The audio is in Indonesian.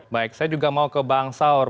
baik saya juga mau ke bang saur